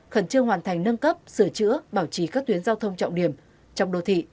khẩn trương hoàn thành nâng cấp sửa chữa bảo trí các tuyến giao thông trọng điểm trong đô thị